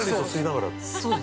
◆そうです。